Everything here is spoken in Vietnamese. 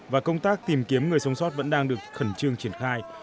và công tác tìm kiếm người sống sót vẫn đang được khẩn trương triển khai